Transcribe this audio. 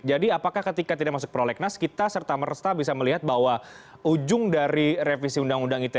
jadi apakah ketika tidak masuk ke prolegnas kita serta meresta bisa melihat bahwa ujung dari revisi undang undang ite